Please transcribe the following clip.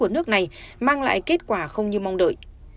của nước này mang lại kết quả không như mong đợi